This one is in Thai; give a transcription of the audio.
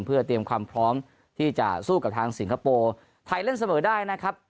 เพื่อเตรียมความพร้อมที่จะสู้กับทางสิงคโปร์ไทยเล่นเสมอได้นะครับ